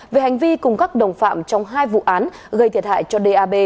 về hành vi cùng các đồng phạm trong hai vụ án gây thiệt hại cho d a b